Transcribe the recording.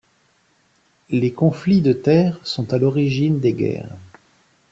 Les conflits de terres sont à l’origine des guerres.